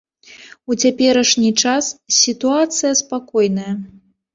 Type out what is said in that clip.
У цяперашні час сітуацыя спакойная.